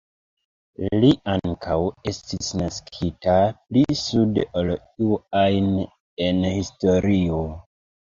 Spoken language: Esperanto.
Li ankaŭ estis naskita pli sude ol iu ajn en historio.